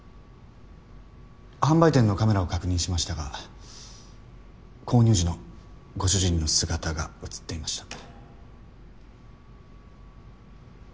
販売店のカメラを確認しましたが購入時のご主人の姿が映っていました。